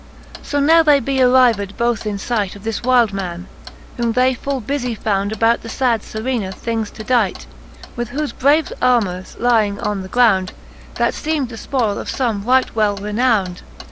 XXV. So now they be arrived both in fight Of this wyld man, whom they full bufie found About the fad Serena things to dight, With thofe brave armours lying on the ground, That feem'd the fpoile of fome right well renownd.